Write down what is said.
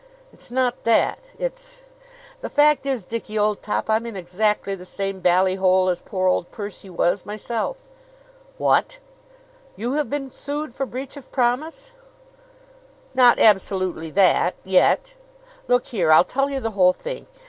"It's not that. It's the fact is, Dickie, old top, I'm in exactly the same bally hole as poor old Percy was, myself!" "What! You have been sued for breach of promise?" "Not absolutely that yet. Look here; I'll tell you the whole thing.